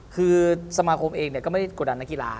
คือสมาคมเองก็ไม่ได้กดดันนักกีฬา